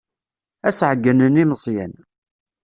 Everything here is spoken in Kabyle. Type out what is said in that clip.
Ad as-ɛeyynen i Meẓyan.